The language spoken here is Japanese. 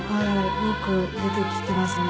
よく出てきてますね。